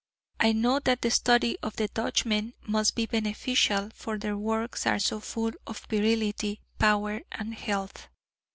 I know that the study of the Dutchmen must be beneficial; for their works are so full of virility, power and health.